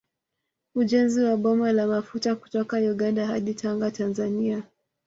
Ujenzi wa bomba la mafuta kutoka Uganda hadi Tanga Tanzania